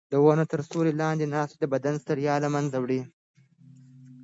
د ونو تر سیوري لاندې ناسته د بدن ستړیا له منځه وړي.